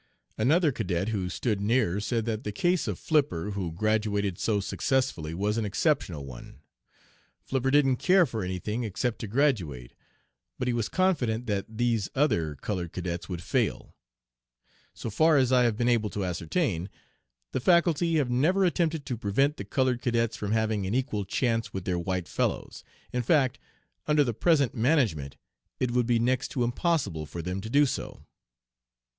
Another cadet who stood near said that the case of Flipper, who graduated so successfully, was an exceptional one. Flipper didn't care for any thing except to graduate, but he was confident that these other colored cadets would fail. So far as I have been able to ascertain, the Faculty have never attempted to prevent the colored cadets from having an equal chance with their white fellows. In fact under the present management it would be next to impossible for them to do so."